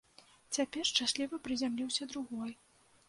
Цяпер шчасліва прызямліўся другой.